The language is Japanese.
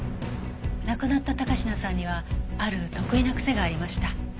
亡くなった高階さんにはある特異な癖がありました。